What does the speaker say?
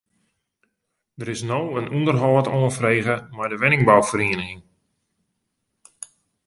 Der is no in ûnderhâld oanfrege mei de wenningbouferieniging.